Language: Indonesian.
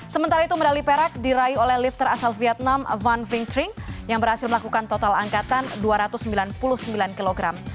sementara itu medali perak diraih oleh lifter asal vietnam van ving tring yang berhasil melakukan total angkatan dua ratus sembilan puluh sembilan kg